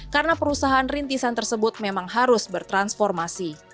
karena perusahaan rintisan tersebut memang harus bertransformasi